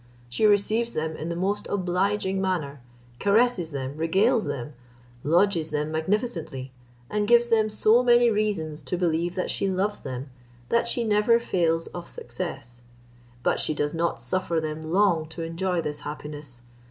She receives them in the most obliging manner; caresses them, regales them, lodges them magnificently, and gives them so many reasons to believe that she loves them, that she never fails of success. But she does not suffer them long to enjoy this happiness.